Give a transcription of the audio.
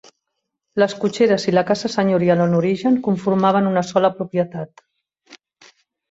Les cotxeres i la casa senyorial en origen conformaven una sola propietat.